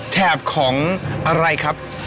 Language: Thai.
แถบของอะไรครับ